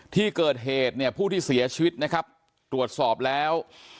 ที่เกิดเหตุเนี่ยผู้ที่เสียชีวิตนะครับตรวจสอบแล้ว